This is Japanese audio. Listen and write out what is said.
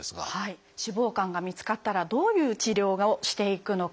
脂肪肝が見つかったらどういう治療をしていくのか。